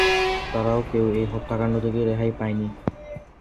তারাও কেউ এই হত্যাকাণ্ড থেকে রেহাই পায়নি।